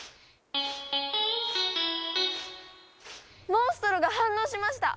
モンストロが反応しました！